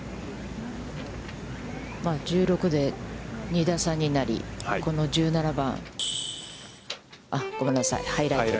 １６で２打差になり、この１７番、ごめんなさい、ハイライトですね。